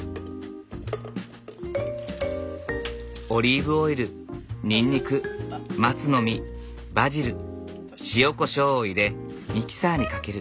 オリーブオイルにんにく松の実バジル塩こしょうを入れミキサーにかける。